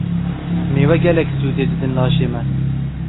Mêwe gelek sûdê didin laşê me.